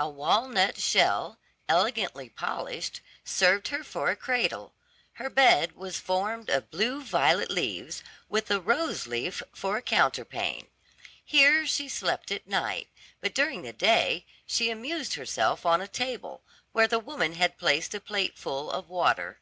A walnut shell, elegantly polished, served her for a cradle; her bed was formed of blue violet leaves, with a rose leaf for a counterpane. Here she slept at night, but during the day she amused herself on a table, where the woman had placed a plateful of water.